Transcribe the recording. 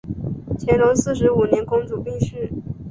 乾隆四十五年公主病逝。